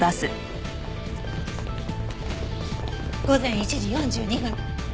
午前１時４２分